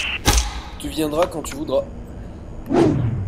Tu viendras quand tu voudras.